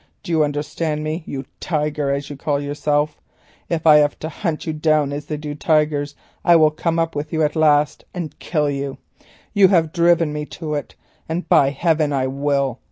Do you understand me? you tiger, as you call yourself. If I have to hunt you down, as they do tigers, I will come up with you at last and kill you. You have driven me to it, and, by heaven! I will!